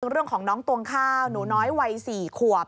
เรื่องของน้องตวงข้าวหนูน้อยวัย๔ขวบ